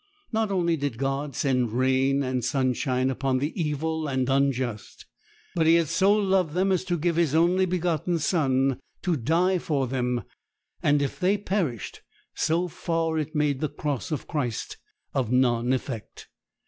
Not only did God send rain and sunshine upon the evil and unjust, but He had so loved them as to give His only begotten Son to die for them; and if they perished, so far it made the cross of Christ of none effect.